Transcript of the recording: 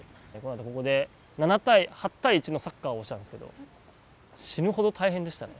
ここで８対１のサッカーをしたんですけど死ぬほど大変でしたね。